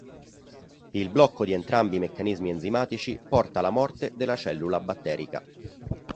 Il blocco di entrambi i meccanismi enzimatici porta alla morte della cellula batterica.